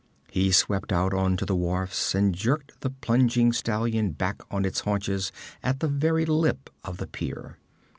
He swept out onto the wharfs and jerked the plunging stallion back on its haunches at the very lip of the pier.